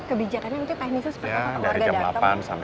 kebijakannya nanti teknisnya seperti apa